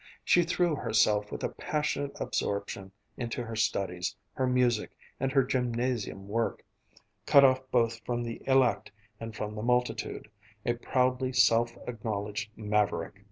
She threw herself with a passionate absorption into her studies, her music, and her gymnasium work, cut off both from the "elect" and from the multitude, a proudly self acknowledged maverick.